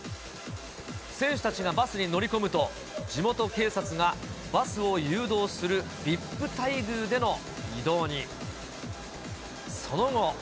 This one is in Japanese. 選手たちがバスに乗り込むと、地元警察がバスを誘導するＶＩＰ待遇での移動に。